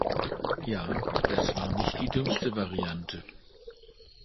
Ja, das war nicht die dümmste Variante.